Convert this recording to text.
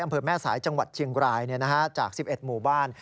อำเภอแม่สายจังหวัดเชียงรายจาก๑๑หมู่บ้าน